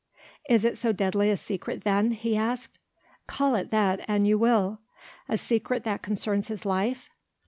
"Is it so deadly a secret then?" he asked. "Call it that, an you will." "A secret that concerns his life?"